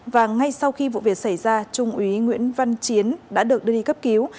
và ngay sau khi vụ việc xảy ra trung úy nguyễn văn chiến đã được đưa đi cấp cứu